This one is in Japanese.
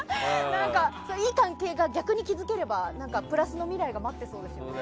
いい関係が逆に築ければプラスの未来が待ってそうですよね。